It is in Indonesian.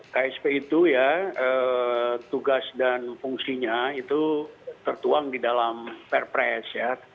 ksp itu ya tugas dan fungsinya itu tertuang di dalam perpres ya